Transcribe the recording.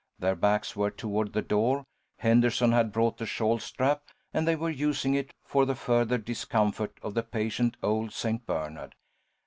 Their backs were toward the door, Henderson had brought the shawl strap, and they were using it for the further discomfort of the patient old St. Bernard.